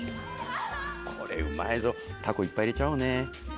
これうまいぞタコいっぱい入れちゃおうね。